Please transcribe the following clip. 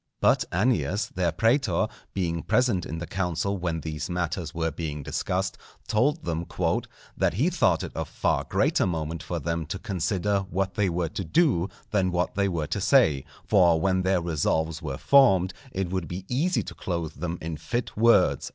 But Annius, their prætor, being present in the council when these matters were being discussed, told them "_that he thought it of far greater moment for them to consider what they were to do than what they were to say; for when their resolves were formed, it would be easy to clothe them in fit words_."